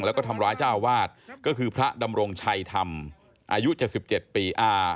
แล้วก็ทำร้ายเจ้าอาวาสก็คือพระดำรงชัยธรรมอายุ๗๗ปี